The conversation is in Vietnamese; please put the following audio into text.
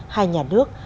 hai nhà nước